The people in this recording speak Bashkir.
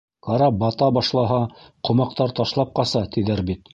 Карап бата башлаһа, ҡомаҡтар ташлап ҡаса, тиҙәр бит.